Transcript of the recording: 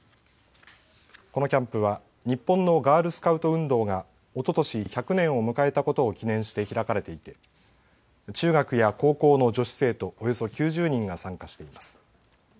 このキャンプは日本のガールスカウト運動がおととし１００年を迎えたことを記念して開かれていて中学や高校の女子生徒およそ９０人が参加しています。